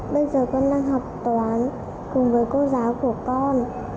bây giờ con đang học toán cùng với cô giáo của con